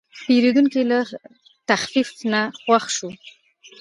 پیرودونکی له تخفیف نه خوښ شو.